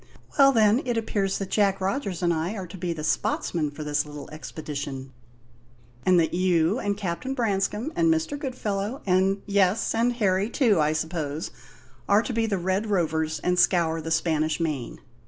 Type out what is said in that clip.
Well, then, it appears that Jack Rogers and I are to be the spotsmen for this little expedition, and that you and Captain Branscome, and Mr. Goodfellow, and yes, and Harry, too, I suppose are to be the Red Rovers and scour the Spanish Main.